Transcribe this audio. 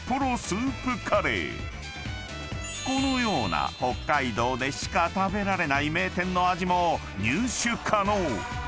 ［このような北海道でしか食べられない名店の味も入手可能］